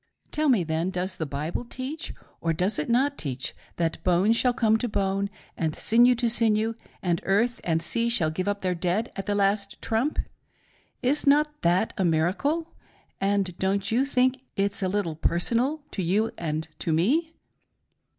M. : Tell me then, does the Bible teach, or does it not teach, that bone shall come to bone and sinew to sinew and earth and sea shall give up their dead, at the last trump.' Is not that a miracle, and don't you think it's a little "personal" to you and to me